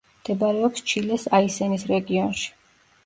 მდებარეობს ჩილეს აისენის რეგიონში.